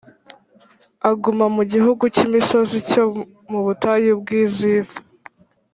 aguma mu gihugu cy’imisozi cyo mu butayu bw’i Zifu.